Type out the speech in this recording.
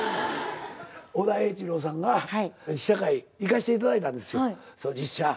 尾田栄一郎さんが試写会行かせていただいたんです実写。